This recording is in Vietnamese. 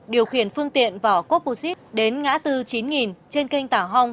điều khiển phương tiện vỏ coposite đến ngã tư chín nghìn trên kênh tảo hong